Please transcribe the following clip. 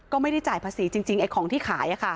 ก็ไม่ได้จ่ายภาษีจริงไอ้ของที่ขาย